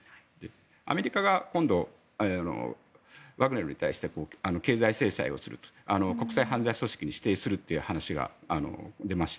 アメリカが今度、ワグネルに対して経済制裁をすると国際犯罪組織に指定するという話が出ました。